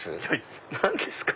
何ですか？